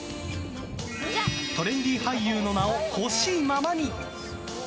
トレンディー俳優の名をほしいままに。